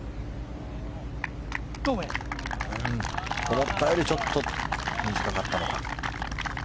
思ったよりちょっと短かったのか。